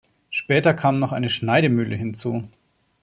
Später kam noch eine Schneidemühle hinzu.